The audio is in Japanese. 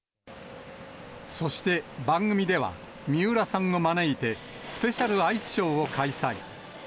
そして番組では、三浦さんを招いてスペシャルアイスショーを開催。